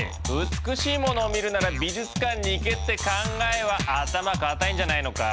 美しいものを見るなら美術館に行けって考えはアタマ固いんじゃないのか？